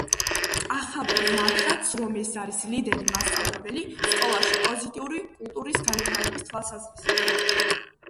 კახაბერი, მართლაც, რომ ეს არის ლიდერი მასწავლებელი სკოლაში პოზიტიური კულტურის განვითარების თვალსაზრისით